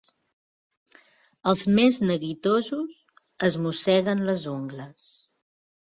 Els més neguitosos es mosseguen les ungles.